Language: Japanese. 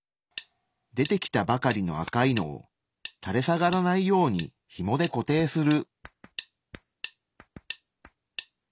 出てきたばかりの赤いのをたれ下がらないようにヒモで固定する。